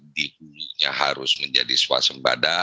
di hulunya harus menjadi swasembada